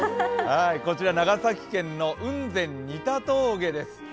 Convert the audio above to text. こちら、長崎県の雲仙仁田峠です。